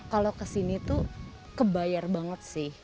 kalau kesini tuh kebayar banget sih